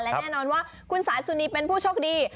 และแน่นอนว่าคุณสายสุนีเป็นผู้โชคดี